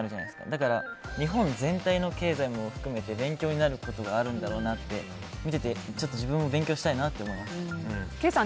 だから、日本全体の経済も含めて勉強になることがあるんだろうなと見てて自分も勉強したいなと思いました。